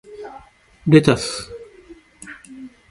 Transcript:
レタス